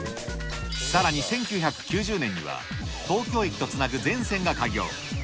さらに１９９０年には東京駅とつなぐ全線が開業。